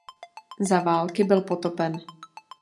Za války byl potopen.